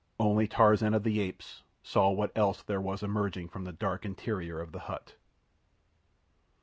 Only Tarzan of the Apes saw what else there was emerging from the dark interior of the hut.